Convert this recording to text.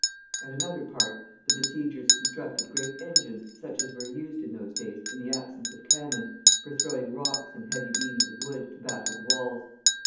At another part the besiegers constructed great engines, such as were used in those days, in the absence of cannon, for throwing rocks and heavy beams of wood, to batter the walls.